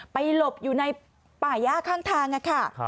ไปหลบอยู่ในป่ายย่าข้างทางนะคะ